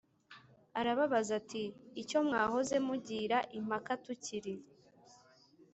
arababaza ati Icyo mwahoze mugira impaka tukiri